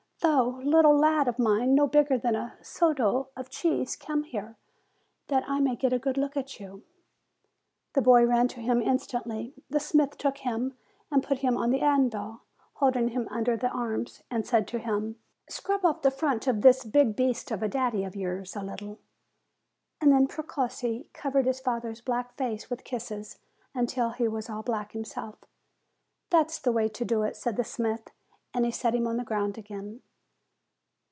thou little lad of mine, no bigger than a soldo* of cheese, come here, that I may get a good look at you !" The boy ran to him instantly; the smith took him and put him on the anvil, holding him under the arms, and said to him: "Scrub off the front of this big beast of a daddy of yours a little!" And then Precossi covered his father's black face with kisses, until he was all black himself. "That's the way to do it," said the smith, and he set him on the ground again.